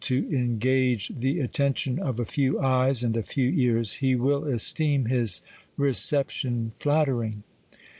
to engage the aiieiition of a few eyes, and a few ears, Ke will esteem his reception flattering.